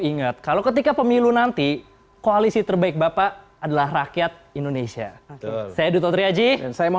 ingat kalau ketika pemilu nanti koalisi terbaik bapak adalah rakyat indonesia saya dutri haji saya